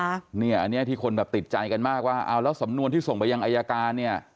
อันนี้ที่คนติดใจกันมากว่าแล้วสำนวนที่ส่งไปยังอายการ